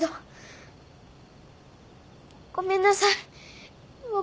ごめんなさい僕。